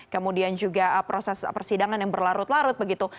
kemudian juga proses persidangan yang berlarut larut begitu